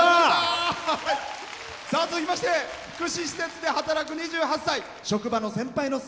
続きまして福祉施設で働く２８歳。